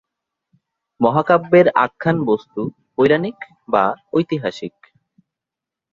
মহাকাব্যের আখ্যান-বস্তু পৌরাণিক বা ঐতিহাসিক।